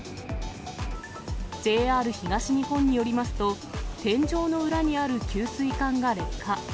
ＪＲ東日本によりますと、天井の裏にある給水管が劣化。